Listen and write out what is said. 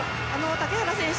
竹原選手